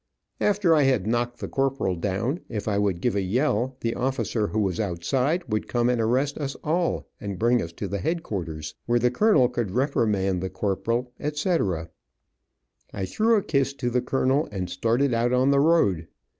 After I had knocked the corporal down, if I would give a yell, the officer who was outside would come and arrest us all and bring us to headquarters, where the colonel could reprimand the corporal, etc. I threw a kiss to the colonel and started out on the road.